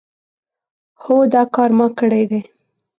هو دا کار ما کړی دی.